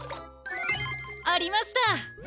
ありました！